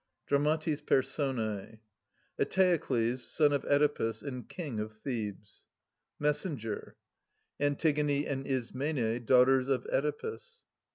DRAMATIS PERSONiE. Eteokles, son of Oedipus^ and king of Thebes. Messenger. Antigone and Ismene, daughters of Oedipus.